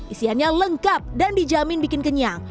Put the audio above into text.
isiannya lengkap dan dijamin bikin kenyang